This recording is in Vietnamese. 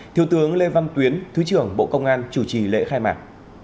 thiếu tướng lê văn tuyến thứ trưởng bộ công an chủ trì lễ khai mạc